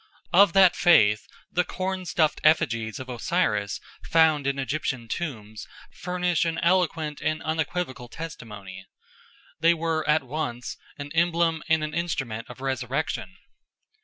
Of that faith the corn stuffed effigies of Osiris found in Egyptian tombs furnish an eloquent and un equivocal testimony. They were at once an emblem and an instrument of resurrection.